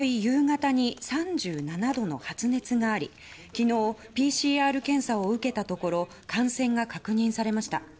松野長官は一昨日夕方に３７度の発熱があり昨日、ＰＣＲ検査を受けたところ感染が確認されました。